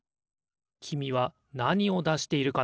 きみはなにをだしているかな？